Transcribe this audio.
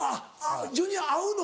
ジュニア合うの？